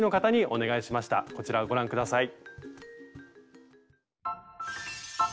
こちらをご覧下さい。